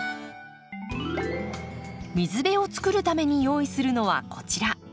水辺を作るために用意するのはこちら。